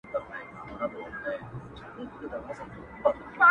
له ټولو بېل یم، د تیارې او د رڼا زوی نه یم.